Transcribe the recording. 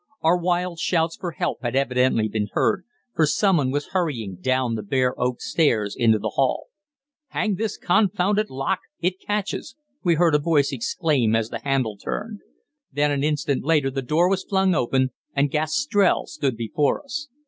Our wild shouts for help had evidently been heard, for someone was hurrying down the bare oak stairs into the hall. "Hang this confounded lock it catches!" we heard a voice exclaim as the handle turned. Then an instant later the door was flung open, and Gastrell stood before us.